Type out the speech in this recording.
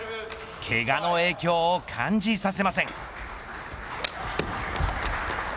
けがの影響を感じさせません。